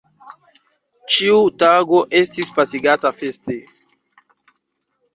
Ĉiu tago estis pasigata feste.